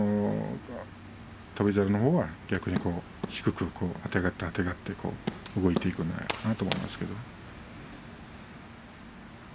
翔猿のほうが逆に低くあてがってあてがって動いていくんじゃないかなと思いますけれど。